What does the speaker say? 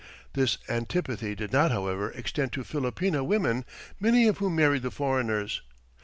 This antipathy did not, however, extend to Filipina women, many of whom married the foreigners.